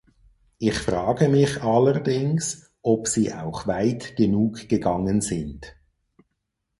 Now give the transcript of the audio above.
Ich frage mich allerdings, ob Sie auch weit genug gegangen sind.